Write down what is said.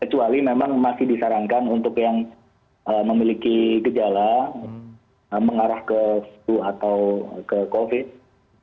kecuali memang masih disarankan untuk yang memiliki gejala mengarah ke flu atau ke covid